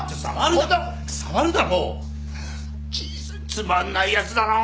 つまんないやつだな。